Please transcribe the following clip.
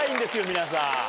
皆さん。